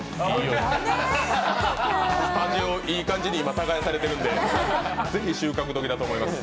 スタジオ、いい感じに今耕されてるんでぜひ収穫時だと思います。